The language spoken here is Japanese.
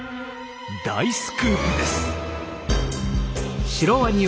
大スクープです！